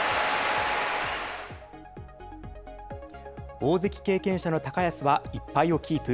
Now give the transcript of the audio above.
大関経験者の高安は１敗をキープ。